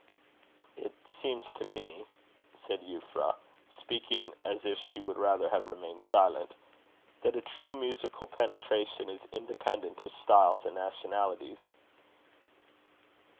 "It seems to me," said Euphra, speaking as if she would rather have remained silent, "that a true musical penetration is independent of styles and nationalities.